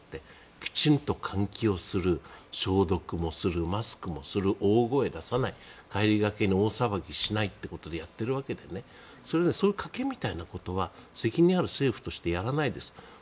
きちんと換気をする消毒もするマスクもする大声を出さない帰りがけに大騒ぎしないってことでやっているわけでねそういう賭けみたいなことは責任ある政府としてやらないです。